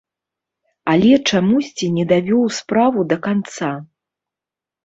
Але чамусьці не давёў справу да канца.